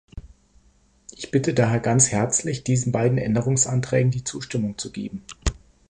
Ich bitte daher ganz herzlich, diesen beiden Abänderungsanträgen die Zustimmung zu geben.